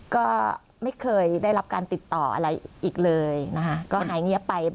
ก็ไม่เคยได้รับการติดต่ออะไรอีกเลยนะคะก็หายเงียบไป